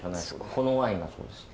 このワインがそうですね。